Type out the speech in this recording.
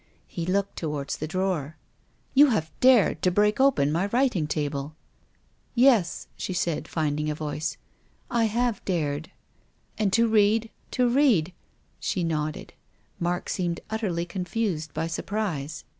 He looked towards the drawer. "WILLIAM FOSTER. 179 "You have dared to break open my writing table !" "Yes," she said, finding a voice. "I have dared." " And to read — to read " She nodded. Mark seemed utterly confused by surprise.